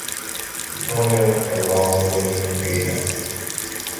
Antônio Eulon Lino Ferreira